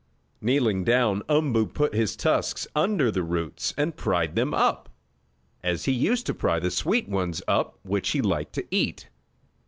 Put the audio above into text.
Kneeling down, Umboo put his tusks under the roots and pried them up, as he used to pry the sweet ones up which he liked to eat.